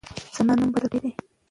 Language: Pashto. ثنا نوم بدل کړی دی.